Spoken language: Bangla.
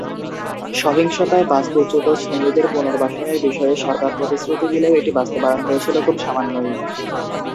সহিংসতায় বাস্তুচ্যুত সুন্নিদের পুনর্বাসনের বিষয়ে সরকার প্রতিশ্রুতি দিলেও এটির বাস্তবায়ন হয়েছিল খুব সামান্যই।